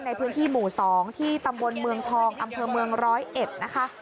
ในพื้นที่หมู่๒ที่ตำบลเมืองทองอำเภอเมืองร้อยเอ็ดนะคะ